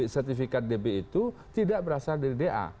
sertifikat db itu tidak berasal dari da